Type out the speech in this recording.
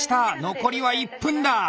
残りは１分だ！